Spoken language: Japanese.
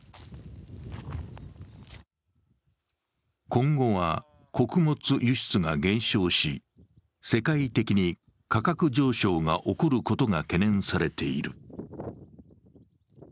今後は穀物輸出が減少し世界的に価格上昇が起こることが懸念されている。